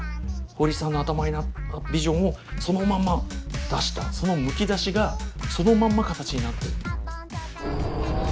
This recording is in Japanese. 堀さんの頭のビジョンをそのまま出したそのむき出しがそのまんま形になってる。